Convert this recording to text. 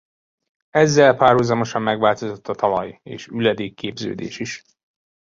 Ezzel párhuzamosan megváltozott a talaj- és üledékképződés is.